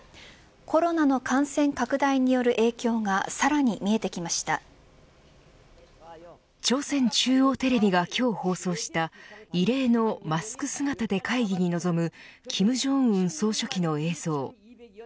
コロナの感染拡大による影響が朝鮮中央テレビが今日放送した異例のマスク姿で会議に臨む金正恩総書記の映像。